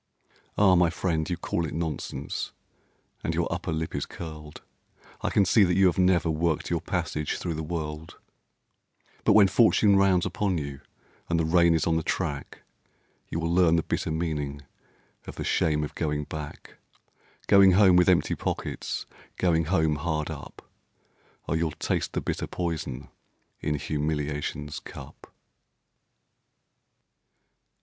Ah! my friend, you call it nonsense, and your upper lip is curled, I can see that you have never worked your passage through the world; But when fortune rounds upon you and the rain is on the track, You will learn the bitter meaning of the shame of going back; Going home with empty pockets, Going home hard up; Oh, you'll taste the bitter poison in humiliation's cup.